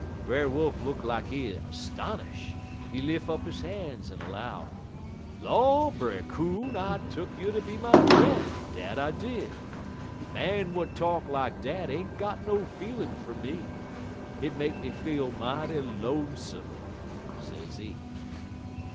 "Brer Wolf look lak he 'stonish'. He lif' up he han's, en 'low: "'Law, Brer Coon, I tuck you ter be my fr'en', dat I did. Man w'at talk lak dat ain't got no feelin' fer me. Hit make me feel mighty lonesome,' sezee.